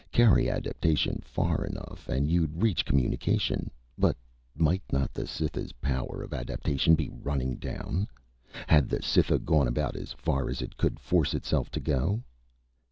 Carry adaptation far enough and you'd reach communication. But might not the Cytha's power of adaptation be running down? Had the Cytha gone about as far as it could force itself to go?